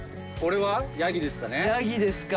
ヤギですか。